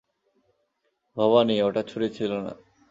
ভবানি, ওটা ছুরি ছিল না।